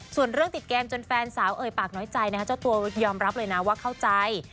ส่วนเรื่องติดเกมจนแฟนสาวเอ่ยปากน้อยใจนะคะเจ้าตัวยอมรับเลยนะว่าเข้าใจ